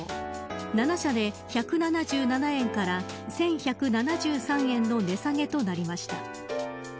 ７社で１７７円から１１７３円の値下げとなりました。